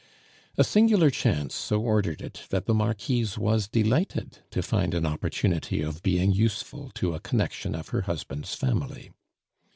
A singular chance so ordered it that the Marquise was delighted to find an opportunity of being useful to a connection of her husband's family.